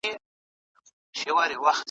څنګه نړیوالي اړیکي زموږ هېواد ته ګټه رسوي؟